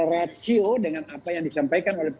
rasio dengan apa yang disampaikan oleh